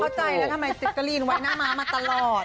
อ๋อเข้าใจนะทำไมสิทธิ์กะลีนไว้หน้ามามาตลอด